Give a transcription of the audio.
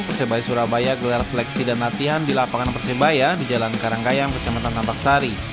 persebaya surabaya gelar seleksi dan latihan di lapangan persebaya di jalan karanggayang kecamatan tambak sari